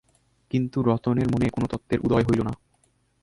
কিন্তু রতনের মনে কোনো তত্ত্বের উদয় হইল না।